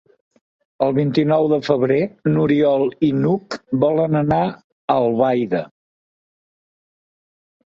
El vint-i-nou de febrer n'Oriol i n'Hug volen anar a Albaida.